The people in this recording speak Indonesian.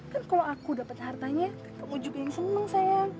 kan kalau aku dapat sehartanya kamu juga yang senang sayang